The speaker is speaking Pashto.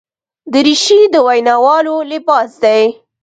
دریشي د ویناوالو لباس دی.